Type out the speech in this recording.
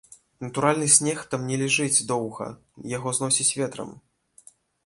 Натуральны снег там не ляжыць доўга, яго зносіць ветрам.